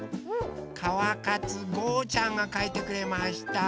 かわかつごうちゃんがかいてくれました。